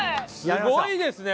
すごいですね。